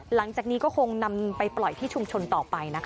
หลังจากนี้ก็คงนำไปปล่อยที่ชุมชนต่อไปนะคะ